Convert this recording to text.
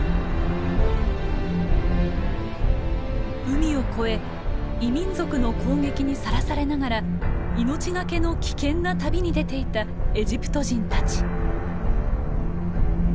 海を越え異民族の攻撃にさらされながら命懸けの危険な旅に出ていたエジプト人たち。